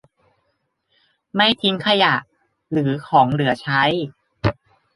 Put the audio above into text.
ไม่ทิ้งขยะหรือของเหลือใช้